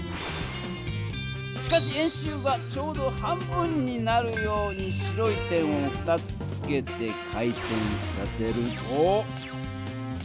しかし円周はちょうど半分になるように白い点を２つつけて回転させると。